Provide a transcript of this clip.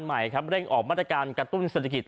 ใหม่ครับเร่งออกมาตรการกระตุ้นเศรษฐกิจ